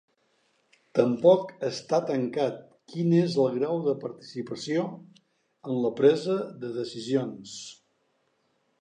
Tampoc està tancat quin és el grau de participació en la presa de decisions.